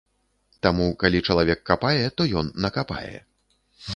Таму, калі чалавек капае, то ён накапае.